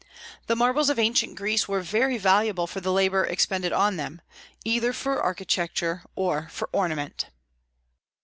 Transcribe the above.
The marbles of ancient Greece were very valuable for the labor expended on them, either for architecture or for ornament.